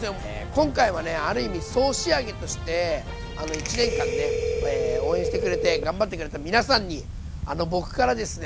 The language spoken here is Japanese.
今回はねある意味総仕上げとして１年間ね応援してくれて頑張ってくれた皆さんに僕からですね